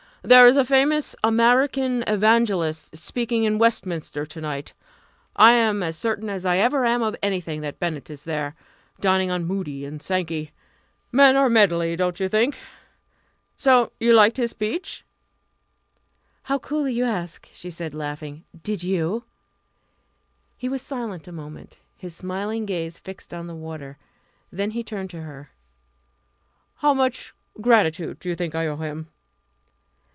There is a famous American evangelist speaking in Westminster to night I am as certain as I ever am of anything that Bennett is there dining on Moody and Sankey. Men are a medley, don't you think? So you liked his speech?" "How coolly you ask!" she said, laughing. "Did you?" He was silent a moment, his smiling gaze fixed on the water. Then he turned to her. "How much gratitude do you think I owe him?"